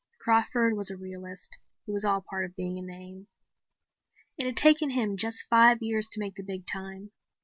Crawford was a realist. It was all part of being a name. It had taken him just five years to make the big time.